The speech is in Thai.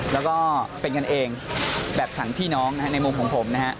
แล้วก็เป็นกันเองแบบฉันพี่น้องในมุมของผมนะฮะ